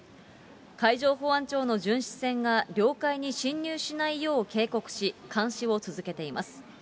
海上保安庁の巡視船が領海に侵入しないよう警告し、監視を続けています。